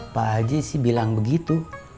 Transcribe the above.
pak haji sih bilang begitu